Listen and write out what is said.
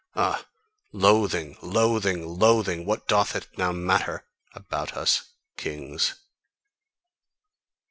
Ah, loathing! Loathing! Loathing! What doth it now matter about us kings!"